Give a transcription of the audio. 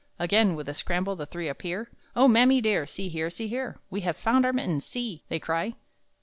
Again, with a scramble, the three appear; "Oh mammy dear, see here, see here, We have found our mittens see!" they cry.